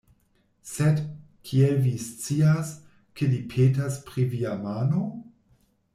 Sed, kiel vi scias, ke li petas pri via mano?